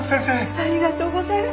ありがとうございます。